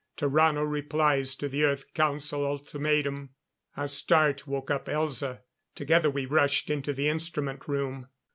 Tarrano replies to the Earth Council Ultimatum...."_ Our start woke up Elza. Together we rushed into the instrument room.